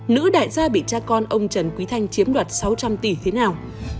nữ đại gia bị cha con ông trần quý thanh chiếm đoạt sáu trăm linh tỷ thế nào